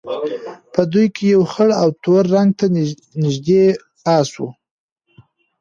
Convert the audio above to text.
په دوی کې یو خړ او تور رنګ ته نژدې اس وو.